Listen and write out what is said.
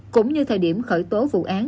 cũng như thời điểm khởi tố vụ án